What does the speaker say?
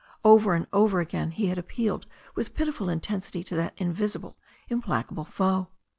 Over and over again he had appealed with pitiful intensity to that invisible, implacable foe.